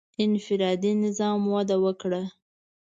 • انفرادي نظام وده وکړه.